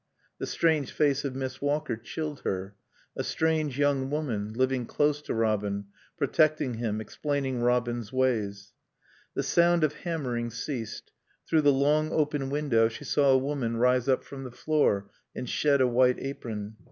The strange face of Miss Walker chilled her. A strange young woman, living close to Robin, protecting him, explaining Robin's ways. The sound of hammering ceased. Through the long, open window she saw a woman rise up from the floor and shed a white apron.